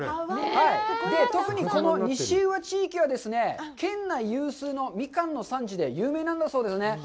特にこの西宇和地域はですね、県内有数のミカンの産地で有名なんだそうですね。